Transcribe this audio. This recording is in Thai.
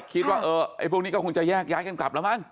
คิดว่าเออไอ้พวกนี้ก็คงจะแยกย้ายกันกลับแล้วมั้ง